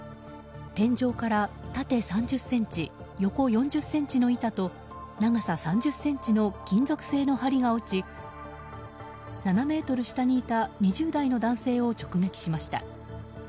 天井から縦３０ｃｍ、横４０ｃｍの板と長さ３０ｃｍの金属製の梁が落ち７ｍ下にいた２０代の男性を直撃しました。